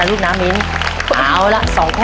๒๒แล้วลุง